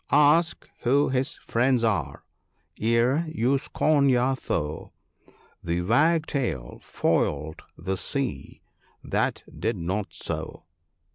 —" Ask who his friends are, ere you scorn your foe ; The Wagtail foiled the sea, that did not so."